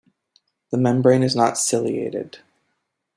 The membrane is not ciliated.